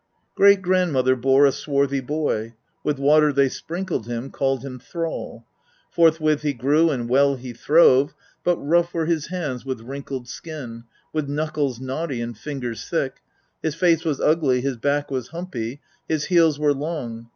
6. Great grandmother bore a swarthy boy ; with water they sprinkled him, called him Thrall. Forthwith he grew and well he throve, but rough were his hands with wrinkled skin, with knuckles knotty and fingers thick ; his face was ugly, his back was humpy, his heels were long.